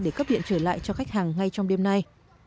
để cấp điện trở lại cho khách hàng ngay trong đêm nay